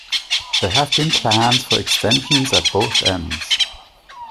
There have been plans for extensions at both ends.